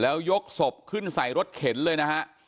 แล้วยกสมพนางขึ้นใส่รถเข็นเลยนะครับ